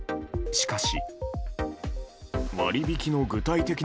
しかし。